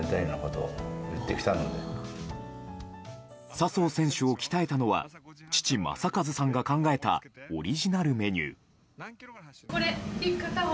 笹生選手を鍛えたのは父・正和さんが考えたオリジナルメニュー。